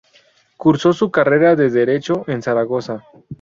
Cursó su carrera de derecho en Zaragoza.